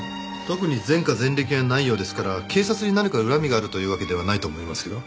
特に前科前歴はないようですから警察に何か恨みがあるというわけではないと思いますけど。